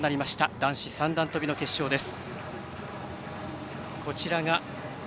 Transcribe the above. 男子三段跳びの決勝です。